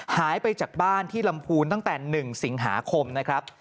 หายไปจากบ้านที่ลำพูนตั้งแต่๑สิงหาคมนะครับ